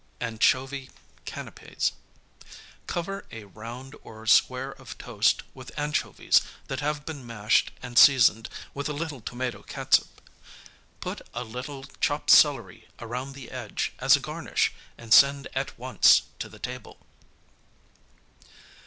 Anchovy Canapķs Cover a round or square of toast with anchovies that have been mashed and seasoned with a little tomato catsup. Put a little chopped celery around the edge as a garnish and send at once to the table.